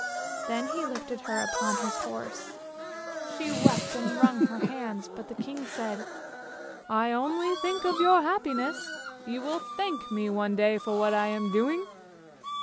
" Then he lifted her upon his horse, she wept and wrung her hands, but the king said, " I only think of your happiness; you will thank me one day for what I am doing!